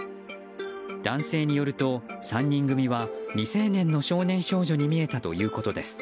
男性によると、３人組は未成年の少年少女に見えたということです。